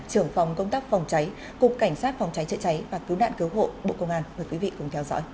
trưởng phòng công tác phòng cháy cục cảnh sát phòng cháy trợ cháy và cứu đạn cứu hộ bộ công an